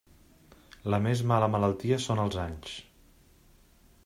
La més mala malaltia són els anys.